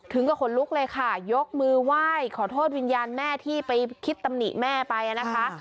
กับขนลุกเลยค่ะยกมือไหว้ขอโทษวิญญาณแม่ที่ไปคิดตำหนิแม่ไปนะคะ